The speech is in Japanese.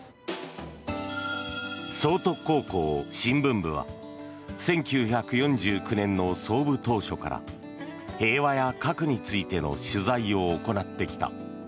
崇徳高校新聞部は１９４９年の創部当初から平和や核についての取材を行ってきた。